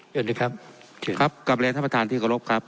ยินดีครับครับกับเรียนท่านประทานที่กรบครับ